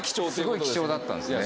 すごい貴重だったんですね。